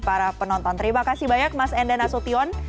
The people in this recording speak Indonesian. para penonton terima kasih banyak mas enda nasution